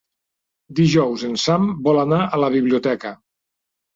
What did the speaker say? Dijous en Sam vol anar a la biblioteca.